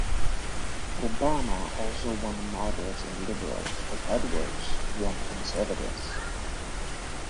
Obama also won moderates and liberals but Edwards won conservatives.